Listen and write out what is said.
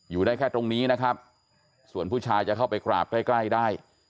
อยู่ได้แค่ตรงนี้นะครับส่วนผู้ชายจะเข้าไปกราบใกล้ใกล้ได้